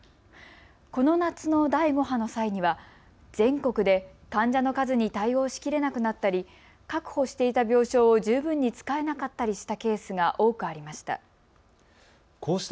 この夏の第５波の際には全国で患者の数に対応しきれなくなったり確保していた病床を十分に使えなかったりしたケースが多くありました。